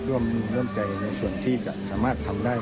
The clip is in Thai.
ร่วมใจในส่วนที่จะสามารถทำได้